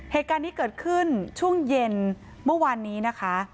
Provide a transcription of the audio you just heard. เหตุการณ์นี้เกิดขึ้นช่วงเย็นเมื่อวานนี้นะคะ